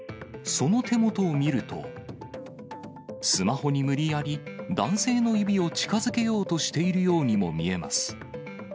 その手元を見ると、スマホに無理やり男性の指を近づけようとしているようにも見えます。